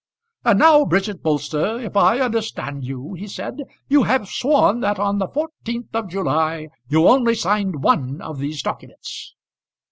"And now, Bridget Bolster, if I understand you," he said, "you have sworn that on the 14th of July you only signed one of these documents."